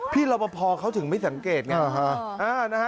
พี่รบพอเขาถึงไม่สังเกตอย่างนั้น